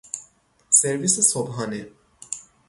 سرویس صبحانه